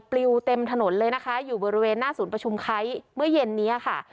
ปลิวเต็มถนนเลยนะคะอยู่บริเวณหน้าศูนย์ประชุมไคร้เมื่อเย็นนี้ค่ะ